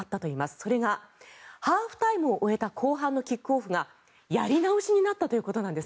それがハーフタイムを終えた後半のキックオフがやり直しになったということなんです。